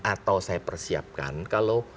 atau saya persiapkan kalau